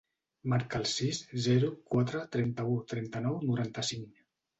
Marca el sis, zero, quatre, trenta-u, trenta-nou, noranta-cinc.